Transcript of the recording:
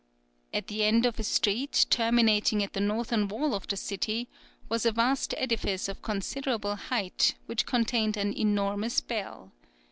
At the end of a street terminating at the northern wall of the city, was a vast edifice of considerable height, which contained an enormous bell.